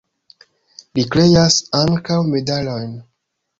Li kreas ankaŭ medalojn.